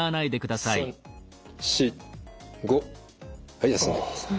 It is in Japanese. はい休んでください。